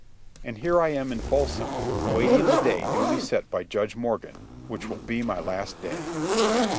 And here I am in Folsom waiting the day duly set by Judge Morgan, which will be my last day.